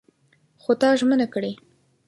خو تا ژمنه کړې!